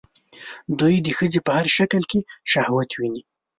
دوی د ښځې په هر شکل کې شهوت ويني